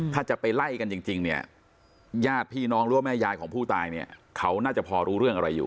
ถ้าจะไปไล่กันจริงเนี่ยญาติพี่น้องหรือว่าแม่ยายของผู้ตายเนี่ยเขาน่าจะพอรู้เรื่องอะไรอยู่